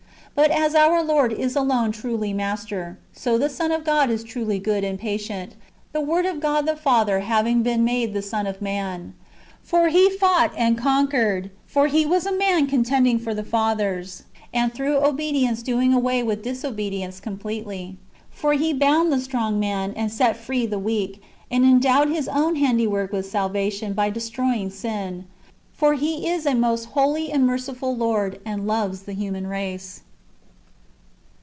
But as our Lord is alone truly Master, so the Son of God is truly good and patient, the Word of God the Father having been made the Son of man. For He fought and conquered ; for He was man contending for the fathers,^ and through obedience doing away with disobe dience completely ; for He bound the strong man,^ and set free the weak, and endowed His own handiwork with salva tion, by destroying sin. For He is a most holy and merciful Lord, and loves the human race.